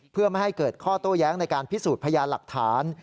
เพื่อไม่ให้เกิดข้อโต้แย้งในการพิสูจน์พยานหลักฐาน